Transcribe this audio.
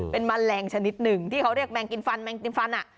เป็นแมลงชนิดหนึ่งที่เขาเรียกแมงกินฟันแมงกินฟัน